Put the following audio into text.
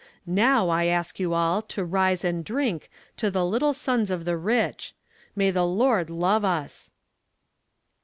Now I ask you all to rise and drink to 'The Little Sons of the Rich.' May the Lord love us!"